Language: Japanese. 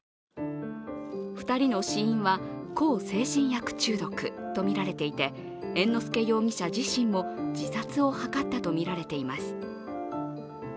２人の死因は向精神薬中毒とみられていて、猿之助容疑者自身も自殺を図ったとみられています。